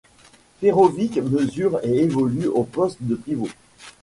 Perović mesure et évolue au poste de pivot.